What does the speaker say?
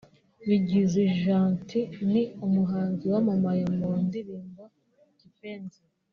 Bigizi Gentil ni umuhanzi wamamaye mu ndirimbo Kipenzi